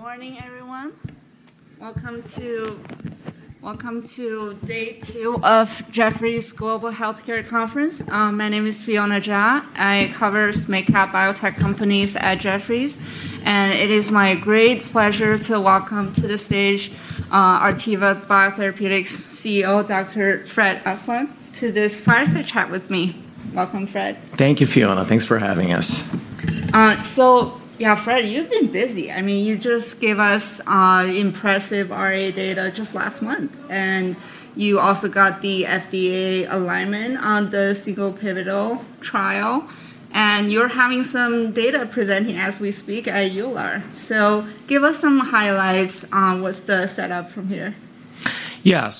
Good morning, everyone. Welcome to day two of Jefferies Global Healthcare Conference. My name is [Fiona Jia]. I cover mid-cap biotech companies at Jefferies. It is my great pleasure to welcome to the stage Artiva Biotherapeutics CEO, Dr. Fred Aslan, to this fireside chat with me. Welcome, Fred. Thank you, [Fiona]. Thanks for having us. Yeah, Fred, you've been busy. You just gave us impressive RA data just last month, and you also got the FDA alignment on the single pivotal trial, and you're having some data presenting as we speak at EULAR. Give us some highlights on what's the setup from here. Yeah.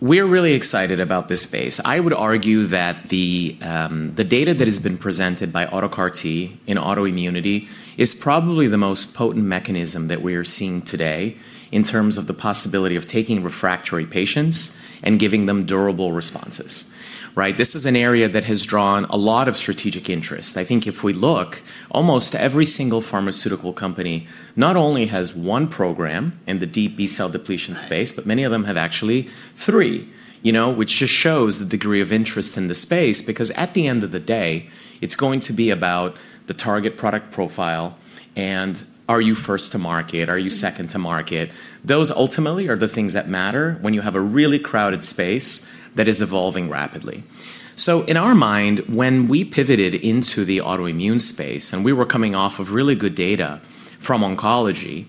We're really excited about this space. I would argue that the data that has been presented by auto CAR-T in autoimmunity is probably the most potent mechanism that we are seeing today in terms of the possibility of taking refractory patients and giving them durable responses. Right? This is an area that has drawn a lot of strategic interest. I think if we look, almost every single pharmaceutical company not only has one program in the deep B-cell depletion space, but many of them have actually three, which just shows the degree of interest in the space, because at the end of the day, it's going to be about the target product profile and are you first to market? Are you second to market? Those ultimately are the things that matter when you have a really crowded space that is evolving rapidly. In our mind, when we pivoted into the autoimmune space and we were coming off of really good data from oncology,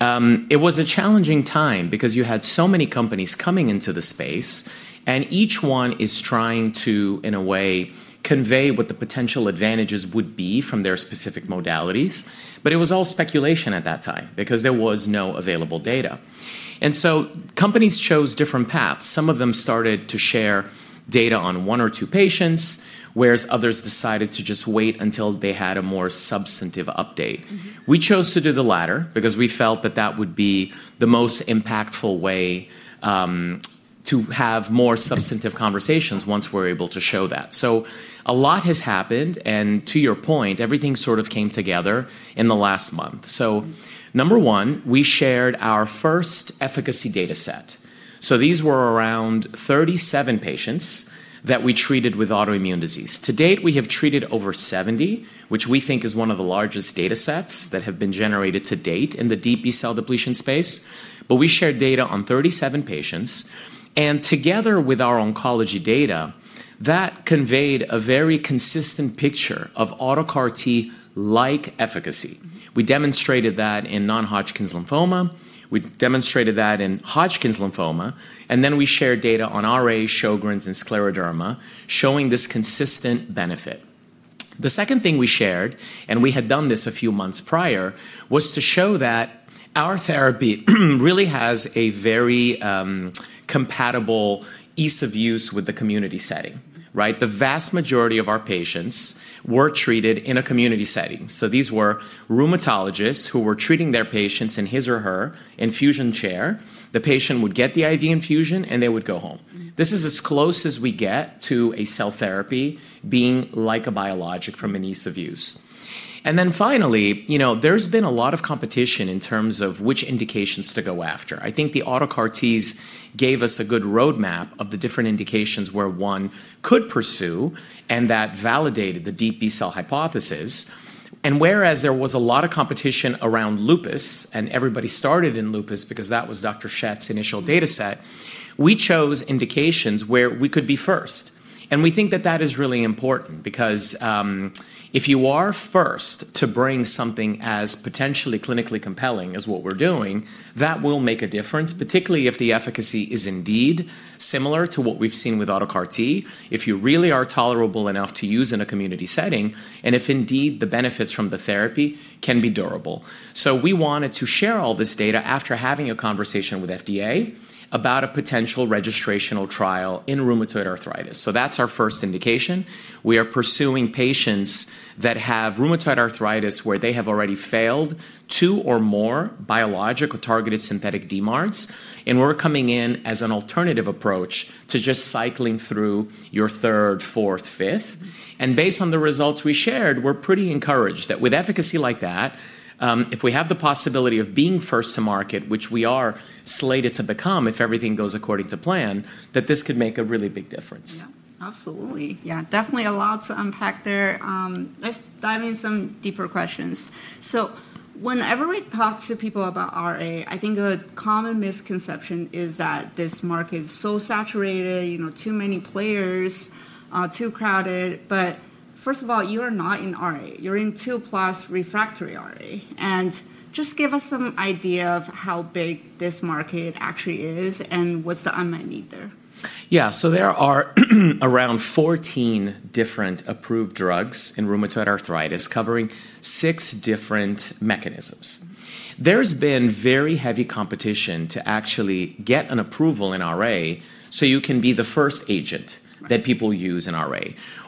it was a challenging time because you had so many companies coming into the space, and each one is trying to, in a way, convey what the potential advantages would be from their specific modalities. It was all speculation at that time because there was no available data. Companies chose different paths. Some of them started to share data on one or two patients, whereas others decided to just wait until they had a more substantive update. We chose to do the latter because we felt that that would be the most impactful way to have more substantive conversations once we're able to show that. A lot has happened, and to your point, everything sort of came together in the last month. Number one, we shared our first efficacy data set. These were around 37 patients that we treated with autoimmune disease. To date, we have treated over 70, which we think is one of the largest data sets that have been generated to date in the deep B-cell depletion space. We shared data on 37 patients, and together with our oncology data, that conveyed a very consistent picture of auto CAR T-like efficacy. We demonstrated that in non-Hodgkin's lymphoma, we demonstrated that in Hodgkin's lymphoma, and then we shared data on RA, Sjögren's, and scleroderma showing this consistent benefit. The second thing we shared, and we had done this a few months prior, was to show that our therapy really has a very compatible ease of use with the community setting, right? The vast majority of our patients were treated in a community setting, so these were rheumatologists who were treating their patients in his or her infusion chair. The patient would get the IV infusion, and they would go home. This is as close as we get to a cell therapy being like a biologic from an ease of use. Then finally, there's been a lot of competition in terms of which indications to go after. I think the auto CAR-Ts gave us a good roadmap of the different indications where one could pursue, and that validated the deep B-cell hypothesis. Whereas there was a lot of competition around lupus, and everybody started in lupus because that was Dr. Schett's initial data set, we chose indications where we could be first. We think that that is really important because if you are first to bring something as potentially clinically compelling as what we're doing, that will make a difference, particularly if the efficacy is indeed similar to what we've seen with auto CAR-T, if you really are tolerable enough to use in a community setting, and if indeed, the benefits from the therapy can be durable. We wanted to share all this data after having a conversation with FDA about a potential registrational trial in rheumatoid arthritis. That's our first indication. We are pursuing patients that have rheumatoid arthritis where they have already failed two or more biological-targeted synthetic DMARDs, and we're coming in as an alternative approach to just cycling through your third, fourth, fifth. Based on the results we shared, we're pretty encouraged that with efficacy like that, if we have the possibility of being first to market, which we are slated to become if everything goes according to plan, that this could make a really big difference. Yeah, absolutely. Yeah, definitely a lot to unpack there. Let's dive in some deeper questions. Whenever we talk to people about RA, I think a common misconception is that this market is so saturated, too many players, too crowded. First of all, you are not in RA, you're in two-plus refractory RA. Just give us some idea of how big this market actually is and what's the unmet need there. There are around 14 different approved drugs in rheumatoid arthritis covering six different mechanisms. There's been very heavy competition to actually get an approval in RA so you can be the first agent that people use in RA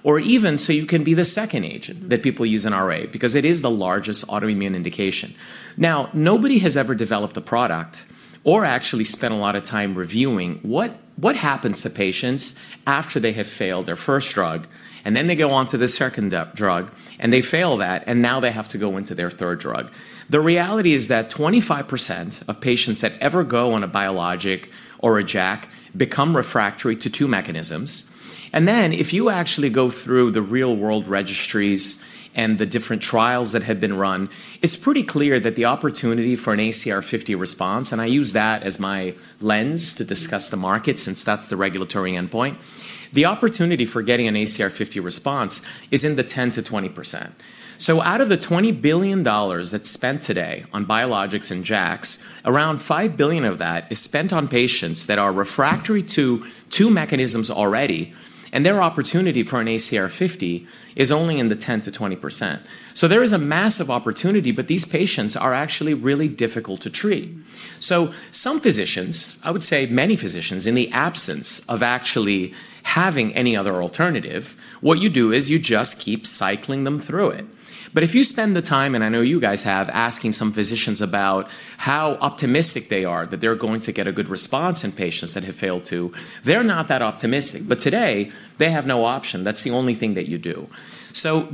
or even so you can be the second agent that people use in RA because it is the largest autoimmune indication. Nobody has ever developed a product or actually spent a lot of time reviewing what happens to patients after they have failed their first drug. Then they go on to the second drug, and they fail that, and now they have to go into their third drug. The reality is that 25% of patients that ever go on a biologic or a JAK become refractory to two mechanisms. If you actually go through the real world registries and the different trials that have been run, it's pretty clear that the opportunity for an ACR50 response, and I use that as my lens to discuss the market since that's the regulatory endpoint, the opportunity for getting an ACR50 response is in the 10%-20%. Out of the $20 billion that's spent today on biologics and JAKs, around $5 billion of that is spent on patients that are refractory to two mechanisms already, and their opportunity for an ACR50 is only in the 10%-20%. There is a massive opportunity, but these patients are actually really difficult to treat. Some physicians, I would say many physicians, in the absence of actually having any other alternative, what you do is you just keep cycling them through it. If you spend the time, and I know you guys have, asking some physicians about how optimistic they are that they're going to get a good response in patients that have failed, they're not that optimistic. Today they have no option. That's the only thing that you do.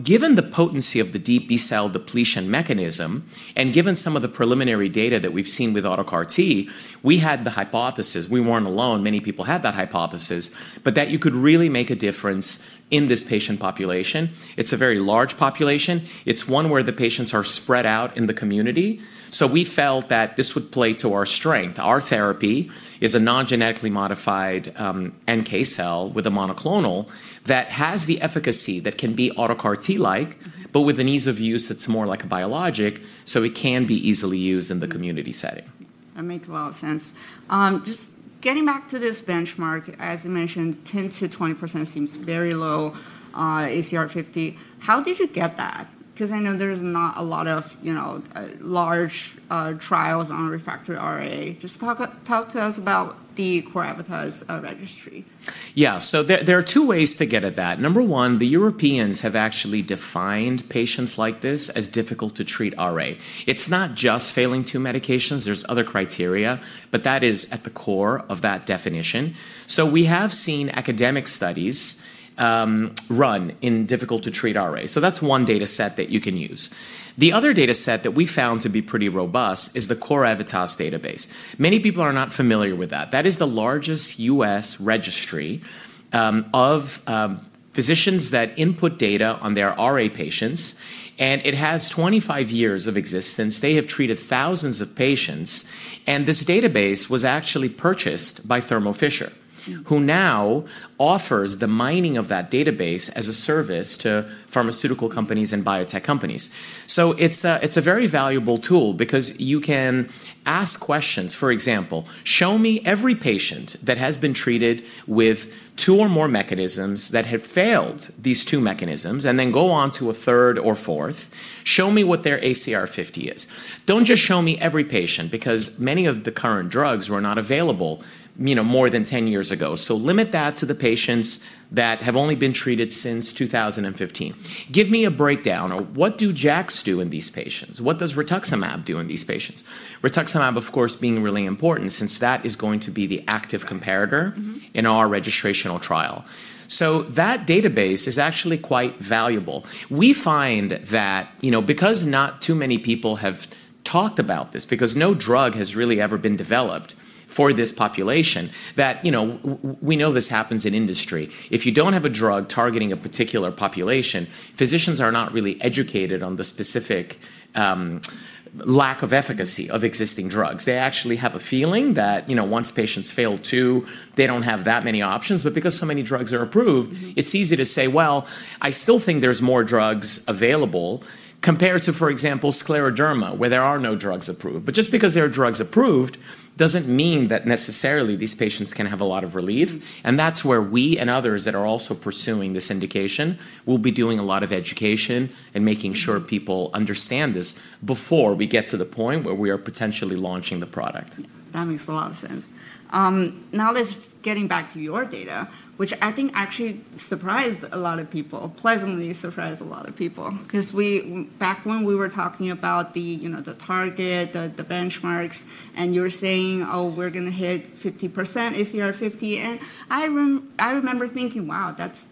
Given the potency of the deep B-cell depletion mechanism, and given some of the preliminary data that we've seen with auto CAR-T, we had the hypothesis, we weren't alone, many people had that hypothesis, but that you could really make a difference in this patient population. It's a very large population. It's one where the patients are spread out in the community. We felt that this would play to our strength. Our therapy is a non-genetically modified, NK cell with a monoclonal that has the efficacy that can be auto CAR-T like, but with an ease of use that's more like a biologic, so it can be easily used in the community setting. That makes a lot of sense. Just getting back to this benchmark, as you mentioned, 10%-20% seems very low, ACR50. How did you get that? I know there's not a lot of large trials on refractory RA. Just talk to us about the CorEvitas registry. Yeah. There are two ways to get at that. Number one, the Europeans have actually defined patients like this as difficult-to-treat RA. It's not just failing two medications. There's other criteria. That is at the core of that definition. We have seen academic studies run in difficult-to-treat RAs. That's one data set that you can use. The other data set that we found to be pretty robust is the CorEvitas database. Many people are not familiar with that. That is the largest U.S. registry of physicians that input data on their RA patients, and it has 25 years of existence. They have treated thousands of patients, and this database was actually purchased by Thermo Fisher, who now offers the mining of that database as a service to pharmaceutical companies and biotech companies. It's a very valuable tool because you can ask questions. For example, show me every patient that has been treated with two or more mechanisms that have failed these two mechanisms and then go on to a third or fourth. Show me what their ACR50 is. Don't just show me every patient, because many of the current drugs were not available more than 10 years ago. Limit that to the patients that have only been treated since 2015. Give me a breakdown of what do JAKs do in these patients? What does rituximab do in these patients? Rituximab, of course, being really important since that is going to be the active comparator in our registrational trial. That database is actually quite valuable. We find that because not too many people have talked about this, because no drug has really ever been developed for this population, that we know this happens in industry. If you don't have a drug targeting a particular population, physicians are not really educated on the specific lack of efficacy of existing drugs. They actually have a feeling that, you know, once patients fail two, they don't have that many options. Because so many drugs are approved-it's easy to say, "Well, I still think there's more drugs available," compared to, for example, scleroderma, where there are no drugs approved. Just because there are drugs approved doesn't mean that necessarily these patients can have a lot of relief. That's where we and others that are also pursuing this indication will be doing a lot of education and making sure people understand this before we get to the point where we are potentially launching the product. That makes a lot of sense. Now getting back to your data, which I think actually surprised a lot of people, pleasantly surprised a lot of people. Back when we were talking about the target, the benchmarks, and you were saying, "Oh, we're going to hit 50% ACR50," and I remember thinking, "Wow, that's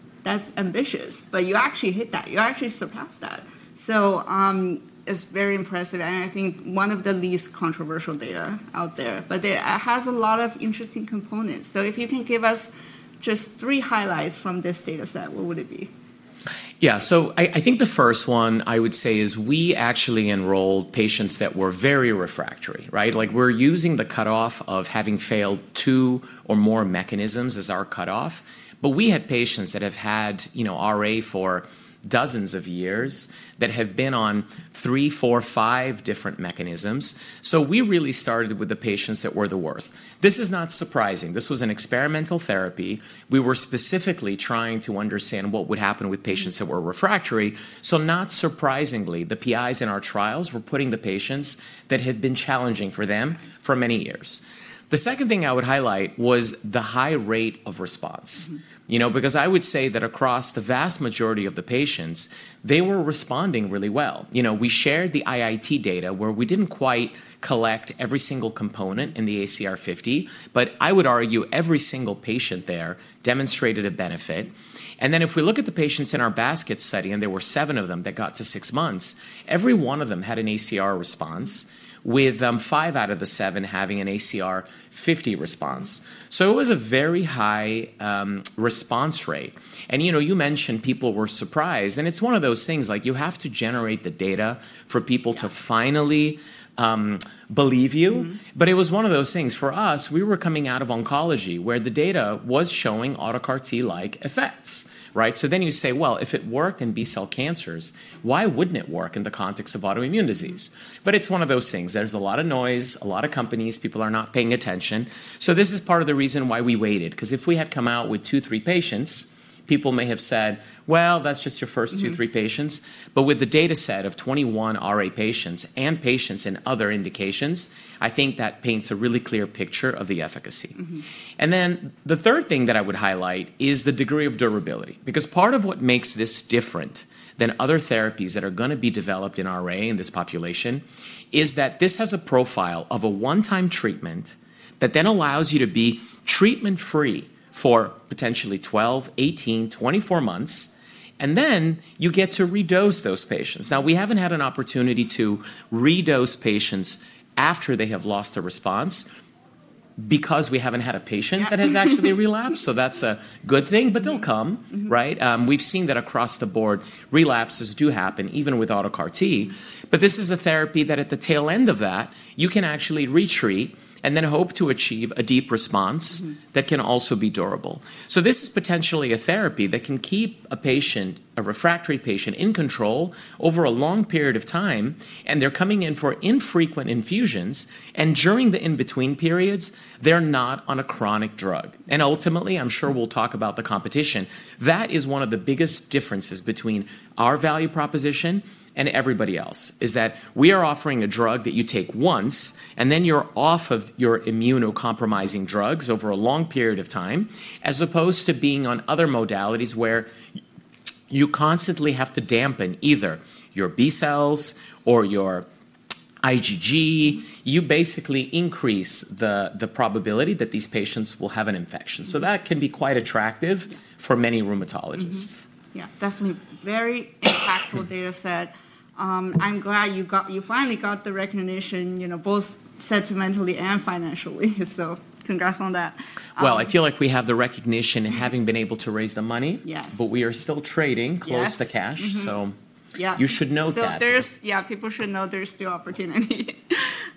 ambitious." You actually hit that. You actually surpassed that. It's very impressive, and I think one of the least controversial data out there. It has a lot of interesting components. If you can give us just three highlights from this data set, what would it be? Yeah. I think the first one I would say is we actually enrolled patients that were very refractory. Like we're using the cutoff of having failed two or more mechanisms as our cutoff. We had patients that have had RA for dozens of years that have been on three, four, five different mechanisms. We really started with the patients that were the worst. This is not surprising. This was an experimental therapy. We were specifically trying to understand what would happen with patients that were refractory. Not surprisingly, the PIs in our trials were putting the patients that had been challenging for them for many years. The second thing I would highlight was the high rate of response. I would say that across the vast majority of the patients, they were responding really well. We shared the IIT data where we didn't quite collect every single component in the ACR50, but I would argue every single patient there demonstrated a benefit. If we look at the patients in our basket study, and there were seven of them that got to six months, every one of them had an ACR response with five out of the seven having an ACR50 response. It was a very high response rate. You mentioned people were surprised, and it's one of those things, like you have to generate the data for people to finally believe you. It was one of those things. For us, we were coming out of oncology, where the data was showing auto CAR-T like effects. You say, well, if it worked in B-cell cancers, why wouldn't it work in the context of autoimmune disease? It's one of those things. There's a lot of noise, a lot of companies, people are not paying attention. This is part of the reason why we waited, because if we had come out with two, three patients, people may have said, "Well, that's just your first two, three patients. With the data set of 21 RA patients and patients in other indications, I think that paints a really clear picture of the efficacy. The third thing that I would highlight is the degree of durability. Because part of what makes this different than other therapies that are going to be developed in RA in this population is that this has a profile of a one-time treatment that then allows you to be treatment-free for potentially 12, 18, 24 months, and then you get to redose those patients. We haven't had an opportunity to redose patients after they have lost a response because we haven't had a patient that has actually relapsed, so that's a good thing. They'll come. We've seen that across the board, relapses do happen even with auto CAR-T. This is a therapy that at the tail end of that, you can actually re-treat and then hope to achieve a deep response that can also be durable. This is potentially a therapy that can keep a refractory patient in control over a long period of time, and they're coming in for infrequent infusions, and during the in-between periods, they're not on a chronic drug. Ultimately, I'm sure we'll talk about the competition. That is one of the biggest differences between our value proposition and everybody else, is that we are offering a drug that you take once, and then you're off of your immunocompromising drugs over a long period of time, as opposed to being on other modalities where you constantly have to dampen either your B-cells or your IgG. You basically increase the probability that these patients will have an infection. That can be quite attractive for many rheumatologists. Yeah, definitely. Very impactful data set. I'm glad you finally got the recognition, both sentimentally and financially. Congrats on that. Well, I feel like we have the recognition in having been able to raise the money but we are still trading close to cash. So you should note that. Yeah, people should know there's still opportunity.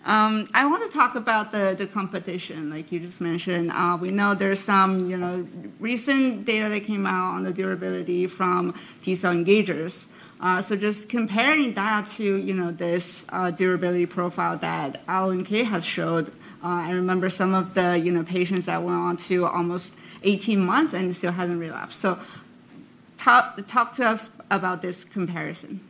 I want to talk about the competition, like you just mentioned. We know there's some recent data that came out on the durability from T-cell engagers. Just comparing that to this durability profile that AlloNK has showed, I remember some of the patients that went on to almost 18 months and still hasn't relapsed. Talk to us about this comparison.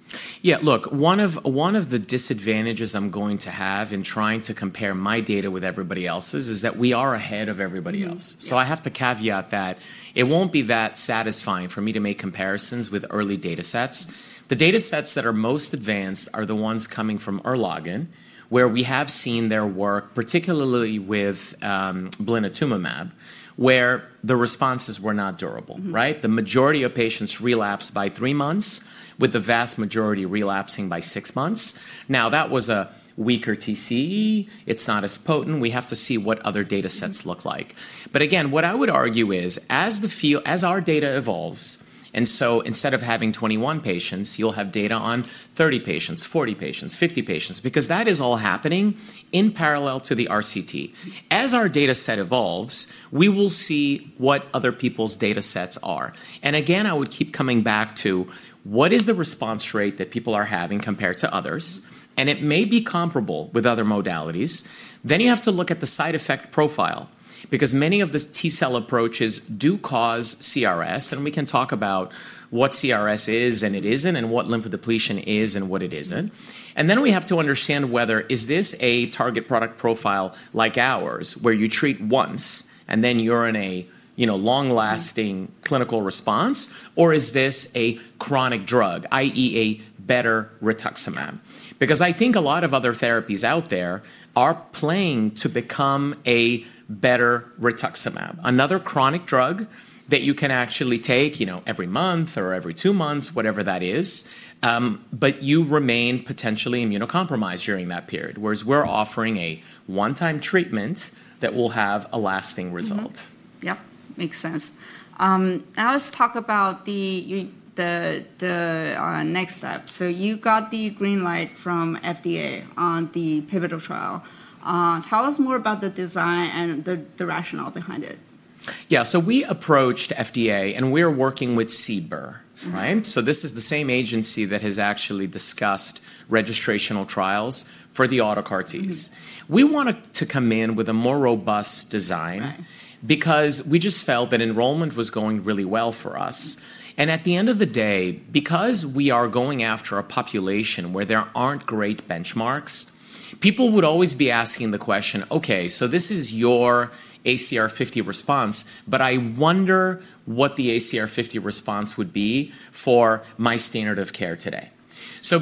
Yeah, look, one of the disadvantages I'm going to have in trying to compare my data with everybody else's is that we are ahead of everybody else. I have to caveat that it won't be that satisfying for me to make comparisons with early data sets. The data sets that are most advanced are the ones coming from Erlangen, where we have seen their work, particularly with blinatumomab, where the responses were not durable. The majority of patients relapsed by three months, with the vast majority relapsing by six months. Now, that was a weaker TCE. It's not as potent. We have to see what other data sets look like. Again, what I would argue is, as our data evolves, and so instead of having 21 patients, you'll have data on 30 patients, 40 patients, 50 patients, because that is all happening in parallel to the RCT. As our data set evolves, we will see what other people's data sets are. Again, I would keep coming back to what is the response rate that people are having compared to others, and it may be comparable with other modalities. You have to look at the side effect profile, because many of the T-cell approaches do cause CRS, and we can talk about what CRS is and it isn't, and what lymphodepletion is and what it isn't. We have to understand whether is this a target product profile like ours, where you treat once and then you're in a long-lasting clinical response, or is this a chronic drug, i.e., a better rituximab? I think a lot of other therapies out there are playing to become a better rituximab. Another chronic drug that you can actually take every month or every two months, whatever that is, but you remain potentially immunocompromised during that period. Whereas we're offering a one-time treatment that will have a lasting result. Yep, makes sense. Let's talk about the next step. You got the green light from FDA on the pivotal trial. Tell us more about the design and the rationale behind it. Yeah. We approached FDA and we're working with CBER, right? This is the same agency that has actually discussed registrational trials for the auto CAR-Ts. We wanted to come in with a more robust design because we just felt that enrollment was going really well for us. At the end of the day, because we are going after a population where there aren't great benchmarks, people would always be asking the question, "Okay, so this is your ACR50 response, but I wonder what the ACR50 response would be for my standard of care today."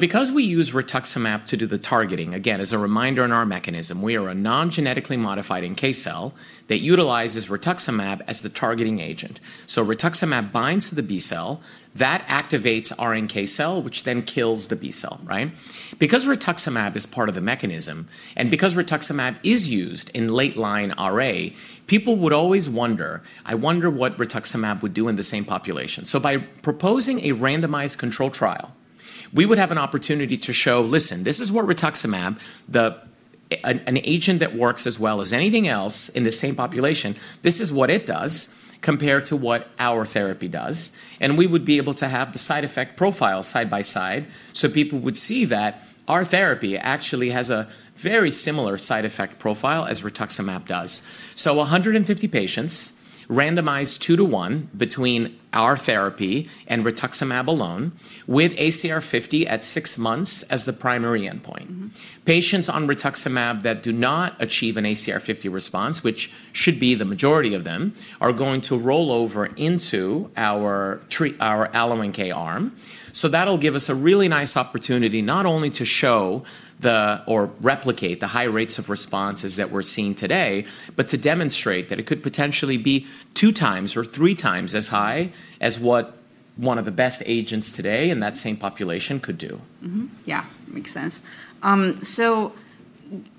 Because we use rituximab to do the targeting, again, as a reminder on our mechanism, we are a non-genetically modified NK cell that utilizes rituximab as the targeting agent. rituximab binds to the B-cell, that activates our NK cell, which then kills the B-cell. Right? Because rituximab is part of the mechanism and because rituximab is used in late-line RA, people would always wonder, "I wonder what rituximab would do in the same population." By proposing a randomized control trial, we would have an opportunity to show, "Listen, this is what rituximab, an agent that works as well as anything else in the same population, this is what it does compared to what our therapy does." We would be able to have the side effect profile side by side so people would see that our therapy actually has a very similar side effect profile as rituximab does. 150 patients randomized 2:1 between our therapy and rituximab alone with ACR50 at six months as the primary endpoint. Patients on rituximab that do not achieve an ACR50 response, which should be the majority of them, are going to roll over into our AlloNK arm. That'll give us a really nice opportunity, not only to show or replicate the high rates of responses that we're seeing today, but to demonstrate that it could potentially be two times or three times as high as what one of the best agents today in that same population could do. Yeah. Makes sense.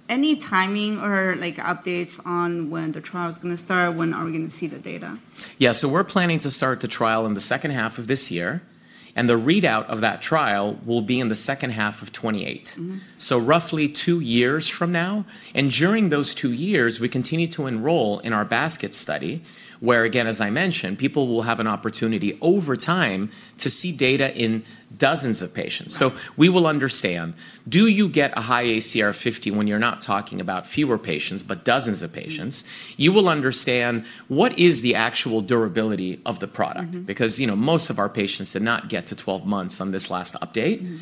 Any timing or updates on when the trial's going to start? When are we going to see the data? Yeah. We're planning to start the trial in the second half of this year, and the readout of that trial will be in the second half of 2028. Roughly two years from now. During those two years, we continue to enroll in our basket study where, again, as I mentioned, people will have an opportunity over time to see data in dozens of patients. We will understand, do you get a high ACR50 when you're not talking about fewer patients, but dozens of patients? You will understand what is the actual durability of the product. Most of our patients did not get to 12 months on this last update.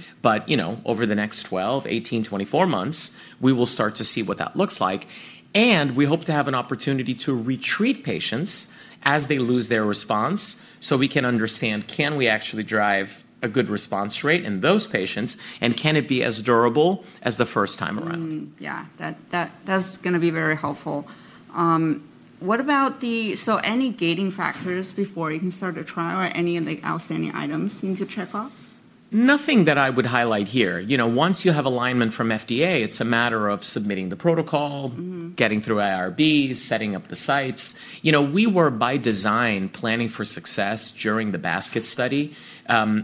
Over the next 12, 18, 24 months, we will start to see what that looks like, and we hope to have an opportunity to re-treat patients as they lose their response so we can understand, can we actually drive a good response rate in those patients, and can it be as durable as the first time around? Yeah. That's going to be very helpful. Any gating factors before you can start a trial or any outstanding items you need to check off? Nothing that I would highlight here. Once you have alignment from FDA, it's a matter of submitting the protocol, getting through IRB, setting up the sites. We were by design planning for success during the basket study.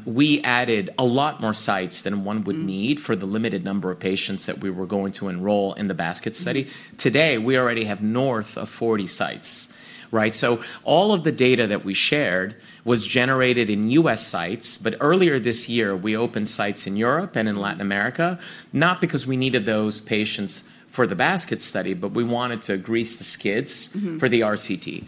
We added a lot more sites than one would need for the limited number of patients that we were going to enroll in the basket study. Today, we already have north of 40 sites. All of the data that we shared was generated in U.S. sites, but earlier this year we opened sites in Europe and in Latin America, not because we needed those patients for the basket study, but we wanted to grease the skids for the RCT.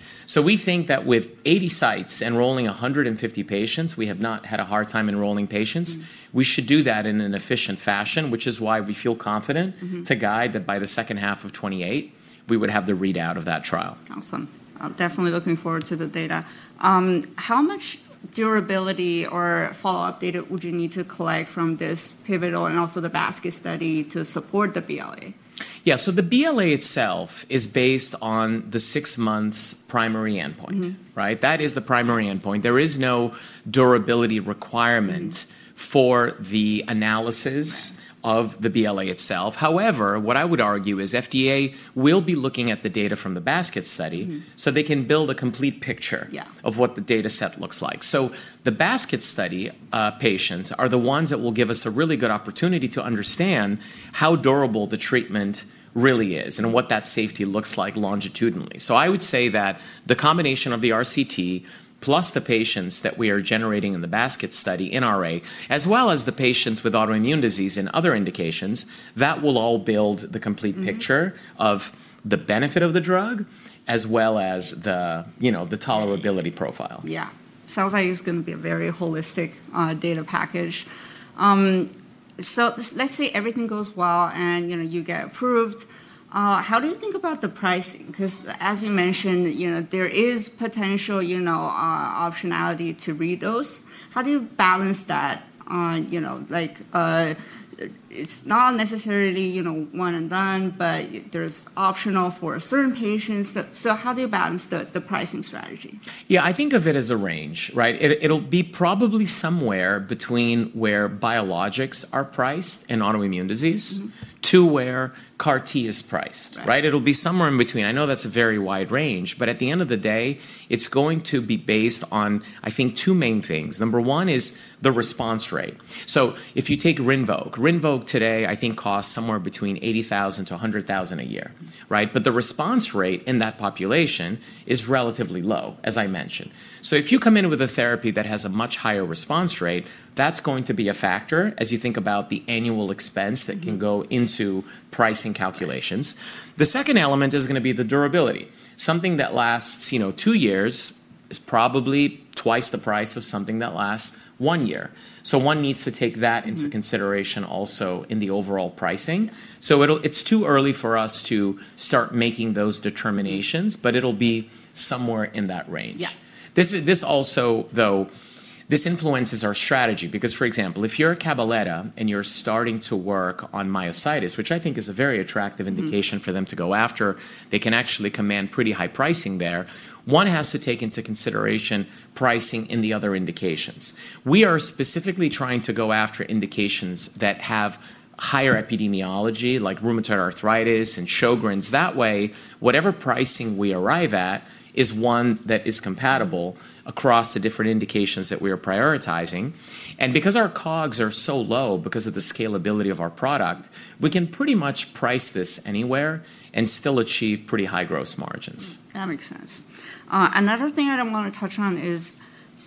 We think that with 80 sites enrolling 150 patients, we have not had a hard time enrolling patients, we should do that in an efficient fashion, which is why we feel confident to guide that by the second half of 2028 we would have the readout of that trial. Awesome. Definitely looking forward to the data. How much durability or follow-up data would you need to collect from this pivotal and also the basket study to support the BLA? Yeah. The BLA itself is based on the six months primary endpoint. Right? That is the primary endpoint. There is no durability requirement for the analysis of the BLA itself. What I would argue is FDA will be looking at the data from the basket study so they can build a complete picture of what the data set looks like. The basket study patients are the ones that will give us a really good opportunity to understand how durable the treatment really is and what that safety looks like longitudinally. I would say that the combination of the RCT plus the patients that we are generating in the basket study in RA, as well as the patients with autoimmune disease and other indications, that will all build the complete picture of the benefit of the drug as well as the tolerability profile. Yeah. Sounds like it's going to be a very holistic data package. Let's say everything goes well and you get approved, how do you think about the pricing? Because as you mentioned, there is potential optionality to re-dose. How do you balance that? It's not necessarily one and done, but there's optional for certain patients. How do you balance the pricing strategy? Yeah. I think of it as a range, right? It'll be probably somewhere between where biologics are priced in autoimmune disease to where CAR-T is priced. It'll be somewhere in between. I know that's a very wide range, at the end of the day, it's going to be based on, I think, two main things. Number one is the response rate. If you take RINVOQ, RINVOQ today I think costs somewhere between $80,000 to $100,000 a year. Right? The response rate in that population is relatively low, as I mentioned. If you come in with a therapy that has a much higher response rate, that's going to be a factor as you think about the annual expense that can go into pricing calculations. The second element is going to be the durability. Something that lasts two years is probably twice the price of something that lasts one year. One needs to take that into consideration also in the overall pricing. It's too early for us to start making those determinations, but it'll be somewhere in that range. Yeah. This also, though, this influences our strategy because, for example, if you're Cabaletta and you're starting to work on myositis, which I think is a very attractive indication for them to go after, they can actually command pretty high pricing there. One has to take into consideration pricing in the other indications. We are specifically trying to go after indications that have higher epidemiology, like rheumatoid arthritis and Sjögren's. That way, whatever pricing we arrive at is one that is compatible across the different indications that we are prioritizing, and because our COGS are so low because of the scalability of our product, we can pretty much price this anywhere and still achieve pretty high gross margins. That makes sense. Another thing that I want to touch on is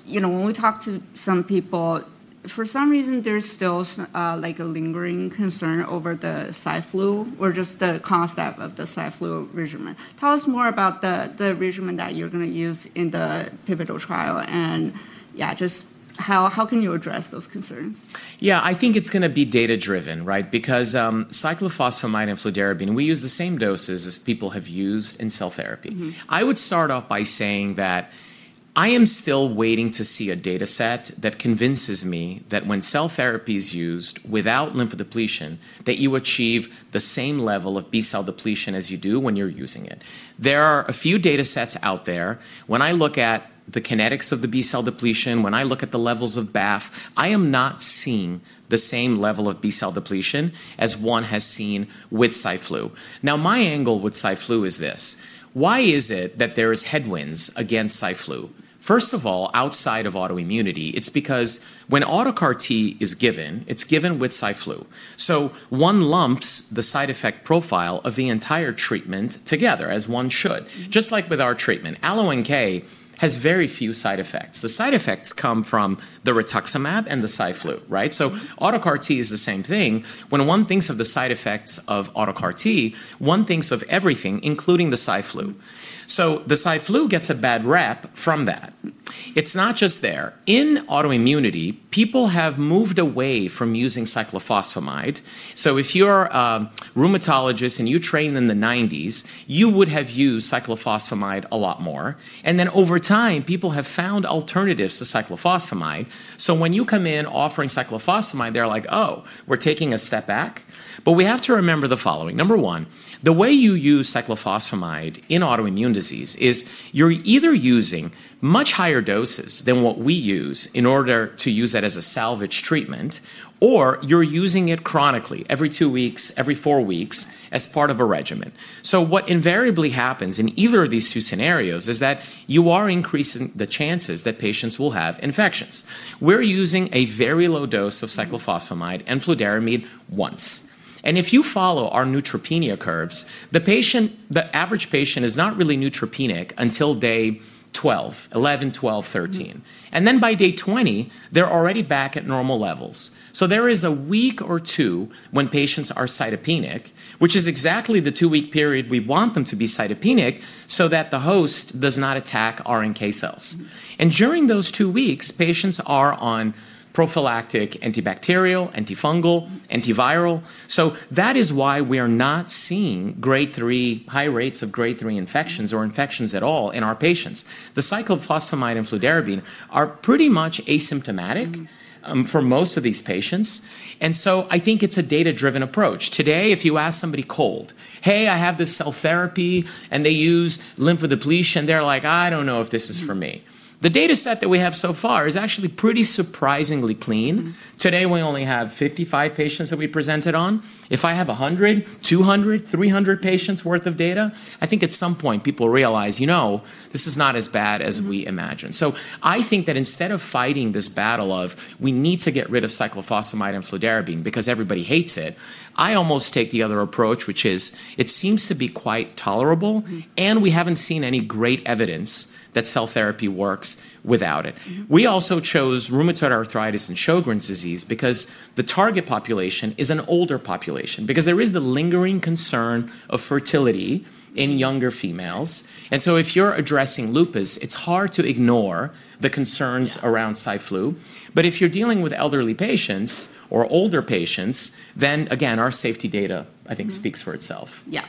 when we talk to some people, for some reason, there's still a lingering concern over the Cy/Flu or just the concept of the Cy/Flu regimen. Tell us more about the regimen that you're going to use in the pivotal trial. Yeah, just how can you address those concerns? Yeah. I think it's going to be data-driven, right? Cyclophosphamide and fludarabine, we use the same doses as people have used in cell therapy. I would start off by saying that I am still waiting to see a data set that convinces me that when cell therapy is used without lymphodepletion, that you achieve the same level of B-cell depletion as you do when you're using it. There are a few data sets out there. When I look at the kinetics of the B-cell depletion, when I look at the levels of BAFF, I am not seeing the same level of B-cell depletion as one has seen with Cy/Flu. My angle with Cy/Flu is this. Why is it that there is headwinds against Cy/Flu? First of all, outside of autoimmunity, it's because when autologous CAR-T is given, it's given with Cy/Flu. One lumps the side effect profile of the entire treatment together, as one should. Just like with our treatment. AlloNK has very few side effects. The side effects come from the rituximab and the Cy/Flu, right? Auto CAR-T is the same thing. When one thinks of the side effects of auto CAR-T, one thinks of everything, including the Cy/Flu. The Cy/Flu gets a bad rep from that. It's not just there. In autoimmunity, people have moved away from using cyclophosphamide. If you're a rheumatologist and you trained in the '90s, you would have used cyclophosphamide a lot more, and then over time, people have found alternatives to cyclophosphamide. When you come in offering cyclophosphamide, they're like, "Oh, we're taking a step back?" We have to remember the following. Number one, the way you use cyclophosphamide in autoimmune disease is you're either using much higher doses than what we use in order to use that as a salvage treatment, or you're using it chronically every two weeks, every four weeks, as part of a regimen. What invariably happens in either of these two scenarios is that you are increasing the chances that patients will have infections. We're using a very low dose of cyclophosphamide and fludarabine once. If you follow our neutropenia curves, the average patient is not really neutropenic until day 12, 11, 12, 13. By day 20, they're already back at normal levels. There is a week or two when patients are cytopenic, which is exactly the two-week period we want them to be cytopenic so that the host does not attack AlloNK cells. During those two weeks, patients are on prophylactic antibacterial, antifungal, antiviral. That is why we are not seeing grade three, high rates of grade three infections or infections at all in our patients. The cyclophosphamide and fludarabine are pretty much asymptomatic for most of these patients, and so I think it's a data-driven approach. Today, if you ask somebody cold, "Hey, I have this cell therapy," and they use lymphodepletion, they're like, "I don't know if this is for me. The data set that we have so far is actually pretty surprisingly clean. Today, we only have 55 patients that we presented on. If I have 100, 200, 300 patients worth of data, I think at some point people realize, "You know, this is not as bad as we imagined." I think that instead of fighting this battle of we need to get rid of cyclophosphamide and fludarabine because everybody hates it, I almost take the other approach, which is it seems to be quite tolerable. We haven't seen any great evidence that cell therapy works without it. We also chose rheumatoid arthritis and Sjögren's disease because the target population is an older population because there is the lingering concern of fertility in younger females, if you're addressing lupus, it's hard to ignore the concerns around Cy/Flu, but if you're dealing with elderly patients or older patients, then again, our safety data speaks for itself. Yeah.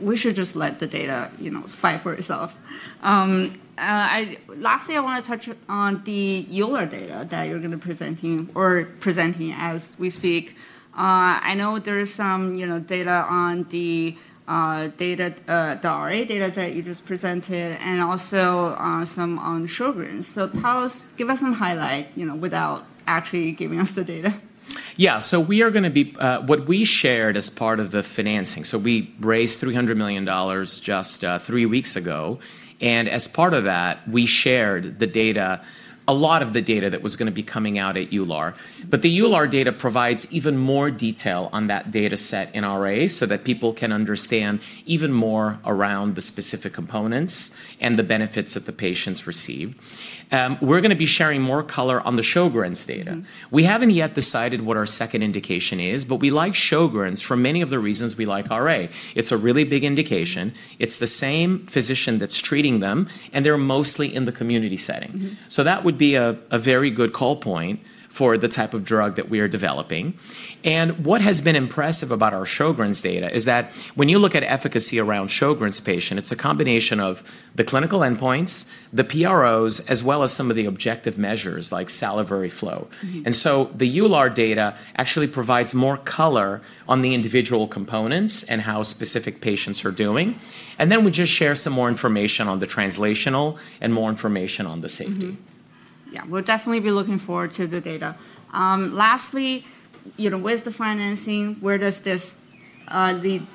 We should just let the data fight for itself. I want to touch on the EULAR data that you're going to presenting or presenting as we speak. I know there's some data on the RA data that you just presented and also some on Sjögren's. Tell us, give us some highlight, without actually giving us the data. Yeah. What we shared as part of the financing, so we raised $300 million just three weeks ago, and as part of that, we shared the data, a lot of the data that was going to be coming out at EULAR. The EULAR data provides even more detail on that data set in RA so that people can understand even more around the specific components and the benefits that the patients receive. We're going to be sharing more color on the Sjögren's data. We haven't yet decided what our second indication is. We like Sjögren's for many of the reasons we like RA. It's a really big indication. It's the same physician that's treating them, and they're mostly in the community setting. That would be a very good call point for the type of drug that we are developing. What has been impressive about our Sjögren's data is that when you look at efficacy around Sjögren's patient, it's a combination of the clinical endpoints, the PROs, as well as some of the objective measures like salivary flow. The EULAR data actually provides more color on the individual components and how specific patients are doing, and then we just share some more information on the translational and more information on the safety. Yeah. We'll definitely be looking forward to the data. Lastly, with the financing, where does this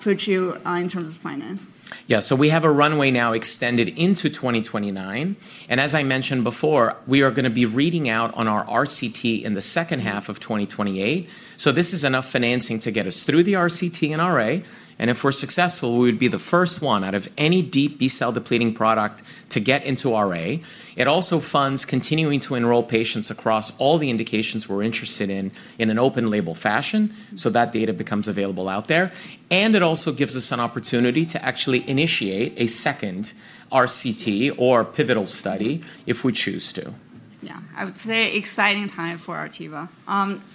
put you in terms of finance? Yeah. We have a runway now extended into 2029, and as I mentioned before, we are going to be reading out on our RCT in the second half of 2028. This is enough financing to get us through the RCT and RA, and if we're successful, we would be the first one out of any deep B-cell depleting product to get into RA. It also funds continuing to enroll patients across all the indications we're interested in in an open label fashion, so that data becomes available out there, and it also gives us an opportunity to actually initiate a second RCT or pivotal study if we choose to. Yeah. I would say exciting time for Artiva.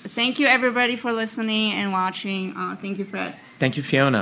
Thank you everybody for listening and watching. Thank you, Fred. Thank you, [Fiona].